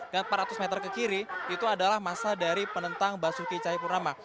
dan empat ratus meter ke kiri itu adalah masa dari penentang basuki cahayapurnama